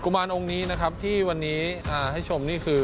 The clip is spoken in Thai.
มารองค์นี้นะครับที่วันนี้ให้ชมนี่คือ